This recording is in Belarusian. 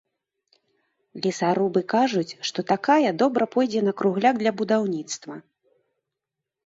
Лесарубы кажуць, што такая добра пойдзе на кругляк для будаўніцтва.